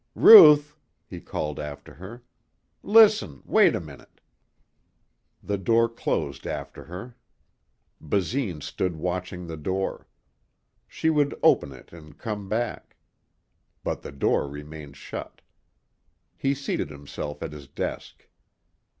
"Ruth," he called after her, "listen, wait a minute." The door closed after her. Basine stood watching the door. She would open it and come back. But the door remained shut. He seated himself at his desk.